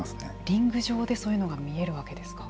リング上でそういうものが見えるわけですか。